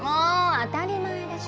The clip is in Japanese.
当たり前でしょ。